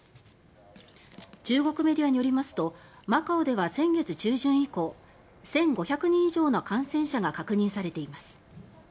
中国メディアによりますとマカオでは先月中旬以降１５００人以上の感染者が確認されています。